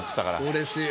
うれしい。